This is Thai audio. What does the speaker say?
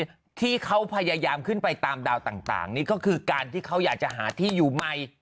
ที่เขาพยายามขึ้นไปตามดาวต่างนี่ก็คือการที่เขาอยากจะหาที่อยู่ใหม่